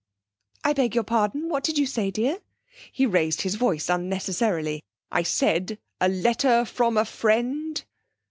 'I beg your pardon? What did you say, dear?' He raised his voice unnecessarily: 'I Said A LETTER FROM A FRIEND!'